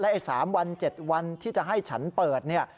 และ๓วัน๗วันที่จะให้ฉันเปิด